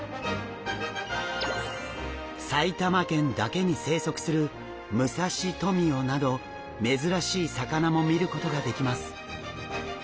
埼玉県だけに生息するムサシトミヨなど珍しい魚も見ることができます。